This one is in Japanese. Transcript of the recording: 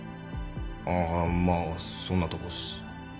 あまあそんなとこっす。